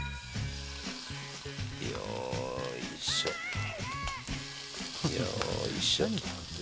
よいしょ、よいしょ。